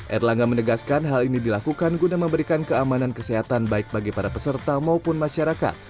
erlangga menegaskan hal ini dilakukan guna memberikan keamanan kesehatan baik bagi para peserta maupun masyarakat